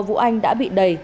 vũ anh đã bị đầy